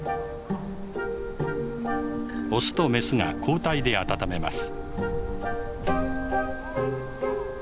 オスとメスが交代で温めます。